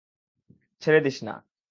ছেড়ে দিস না!